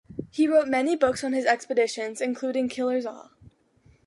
He wrote many books on his expeditions, including Killers All!